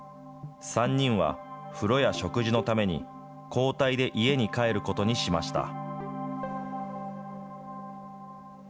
３人は風呂や食事のために、交代で家に帰ることにしました。